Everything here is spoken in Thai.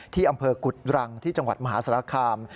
ที่อำเภอกุฎรังที่จังหวัดมหาสารคาม